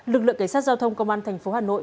lực lượng cảnh sát giao thông công an thành phố hà nội